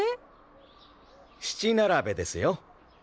七並べですよ。